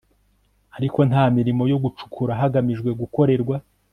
ariko nta mirimo yo gucukura hagamijwe gukorerwa